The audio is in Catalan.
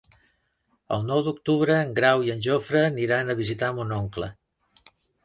El nou d'octubre en Grau i en Jofre aniran a visitar mon oncle.